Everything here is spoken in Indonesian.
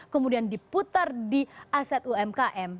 kemudian diputar di aset umkm